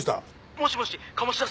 「もしもし鴨志田さん